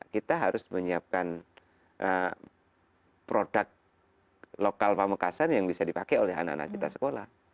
kita harus menyiapkan produk lokal pamekasan yang bisa dipakai oleh anak anak kita sekolah